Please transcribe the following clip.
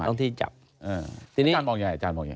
อาจารย์มองอย่างไร